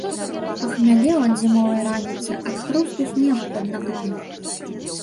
Ахмялеў ад зімовай раніцы, ад хрусту снегу пад нагамі.